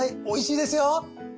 美味しいですよ。